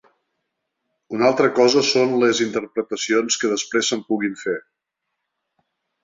Una altra cosa són les interpretacions que després se'n puguin fer.